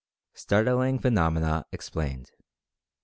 STARTLING PHENOMENA EXPLAINED.